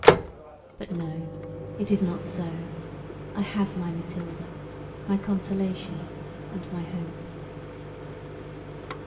But, no, it is not so; I have my Mathilda, my consolation, and my hope."